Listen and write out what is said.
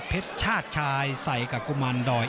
เพชชาชายใส่กับกุมารดรอย์